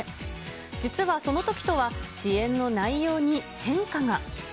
実はそのときとは支援の内容に変化が。